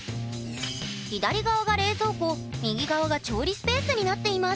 左側が冷蔵庫右側が調理スペースになっています